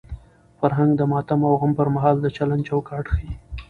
فرهنګ د ماتم او غم پر مهال د چلند چوکاټ ښيي.